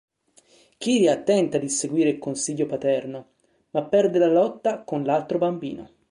Kiriha tenta di seguire il consiglio paterno, ma perde la lotta con l'altro bambino.